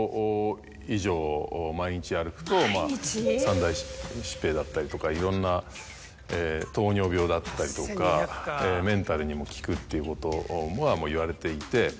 三大疾病だったりとかいろんな糖尿病だったりとかメンタルにも効くということもいわれていて。